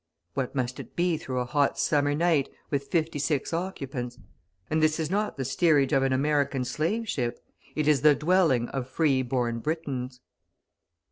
What must it be through a hot summer night, with fifty six occupants? And this is not the steerage of an American slave ship, it is the dwelling of free born Britons!